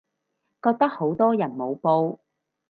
覺得好多人冇報